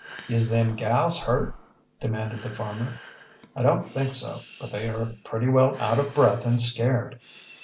"Is them gals hurt?" demanded the farmer. "I don't think so. But they are pretty well out of breath and scared."